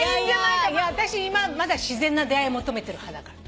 いやいやあたし今まだ自然な出会い求めてる派だから。